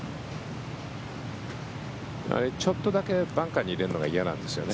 ちょっとだけバンカーに入れるのが嫌なんですよね。